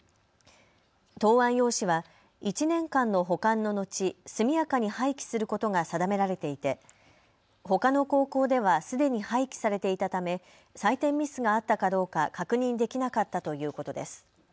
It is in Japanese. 答案用紙は１年間の保管の後速やかに廃棄することが定められていてほかの高校ではすでに廃棄されていたため採点ミスがあったかどうか確認できなかったということです。